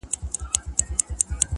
راباندي گرانه خو يې _